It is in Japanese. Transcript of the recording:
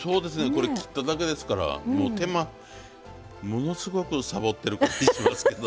これ切っただけですから手間ものすごくサボってる気しますけど。